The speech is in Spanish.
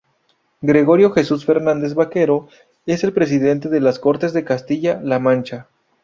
Gregorio Jesús Fernández Vaquero es el Presidente de las Cortes de Castilla-La Mancha.